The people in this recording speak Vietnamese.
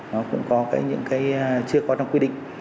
nó cũng có những cái chưa có quy định